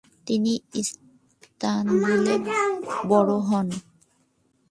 তিনি ইস্তানবুলে বড় হন।